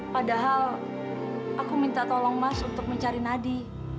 padahal aku minta tolong mas untuk mencari nadi